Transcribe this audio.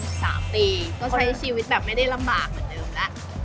ก็ใช้ชีวิตไม่ได้ลำบากเหมือนเดิมแล้ว